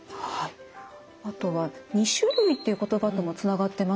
あとは「２種類」という言葉ともつながってますよね。